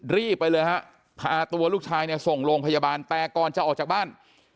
รีบไปเลยฮะพาตัวลูกชายเนี่ยส่งโรงพยาบาลแต่ก่อนจะออกจากบ้าน